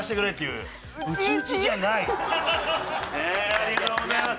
ありがとうございます。